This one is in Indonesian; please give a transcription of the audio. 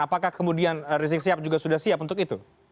apakah kemudian resiksiap juga sudah terbit